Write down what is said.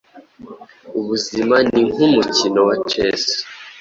Ubuzima ni nkumukino wa chess.